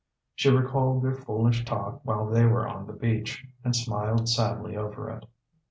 She recalled their foolish talk while they were on the beach, and smiled sadly over it.